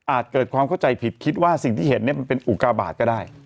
เกิดความเข้าใจผิดคิดว่าสิ่งที่เห็นมันเป็นอุกาบาทก็ได้